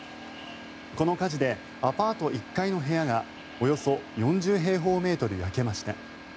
この火事でアパート１階の部屋がおよそ４０平方メートル焼けました。